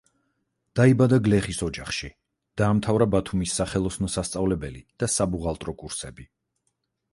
დაიბადა გლეხის ოჯახში, დაამთავრა ბათუმის სახელოსნო სასწავლებელი და საბუღალტრო კურსები.